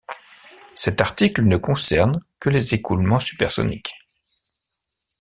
Cet article ne concerne que les écoulements supersoniques.